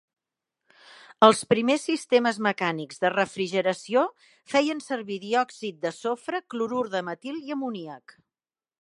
Els primers sistemes mecànics de refrigeració feien servir diòxid de sofre, clorur de metil i amoníac.